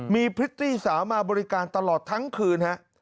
มีพริตตี้สาวมาบริการตลอดทั้งคืนฮะ